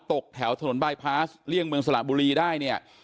ตกแถวถนนบายพาสเลี่ยงเมืองสระบุรีได้เนี่ย